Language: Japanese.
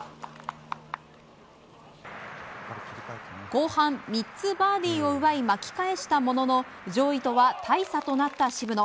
後半３つバーディーを奪い巻き返したものの上位とは大差となった渋野。